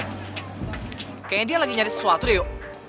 kayaknya dia lagi nyari sesuatu deh yo